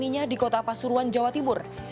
dia menjalannya di kota pasuruan jawa timur